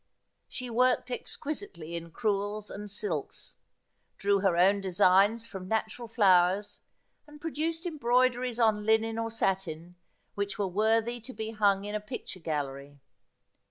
She worked exquisitely in crewels and silks, drew her own designs from natural flowers, and produced embroideries on linen or satin which were worthy to be hung in a picture gallery.